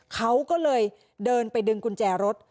เขาก็เลยเดินไปดึงกุญแจรถ